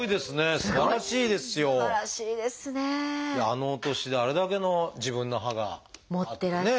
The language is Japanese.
あのお年であれだけの自分の歯があってね。